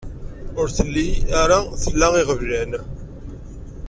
Ur telli ara tla iɣeblan.